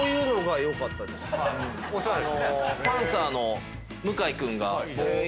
おしゃれですね。